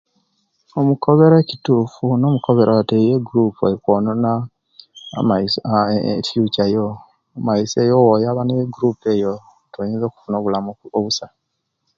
Omukobera ekitufu nomukobera nti eyo egurupu eli kwoonona amaiso aah efikya yo omumaiso eyo oboyaba ne'gurupu eyo toyinza okufuna obulamu obusa.